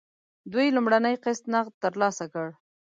دوی لومړنی قسط نغد ترلاسه کړ.